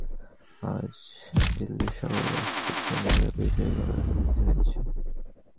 আজ দিল্লীশ্বরের রাজপুত সৈন্যেরা বিজয়গড়ের অতিথি হইয়াছে।